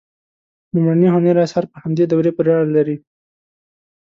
لومړني هنري آثار په همدې دورې پورې اړه لري.